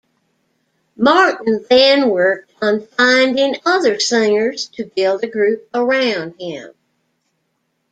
Martin then worked on finding other singers to build a group around him.